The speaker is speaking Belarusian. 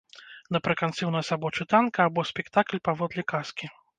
Напрыканцы ў нас або чытанка, або спектакль паводле казкі.